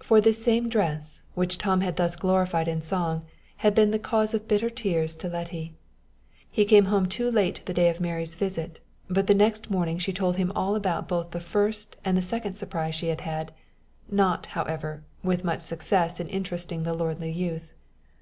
For this same dress, which Tom had thus glorified in song, had been the cause of bitter tears to Letty. He came home too late the day of Mary's visit, but the next morning she told him all about both the first and the second surprise she had had not, however, with much success in interesting the lordly youth.